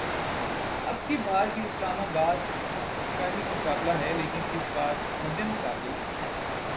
اب کی بار بھی اسلام آباد کا ہی مقابلہ ہے لیکن اس بار مدمقابل